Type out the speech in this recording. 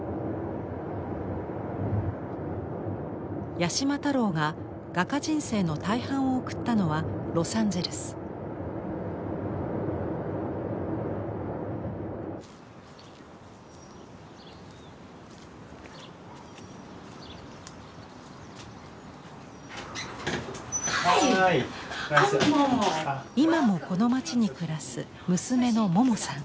八島太郎が画家人生の大半を送ったのは今もこの町に暮らす娘のモモさん。